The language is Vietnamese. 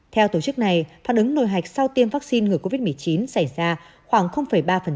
theo tổ chức này phản ứng nồi hạch sau tiêm vaccine ngừa covid một mươi chín xảy ra khoảng ba